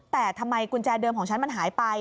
แต่ทำไมกุญแจเดิมของฉันมันหายไป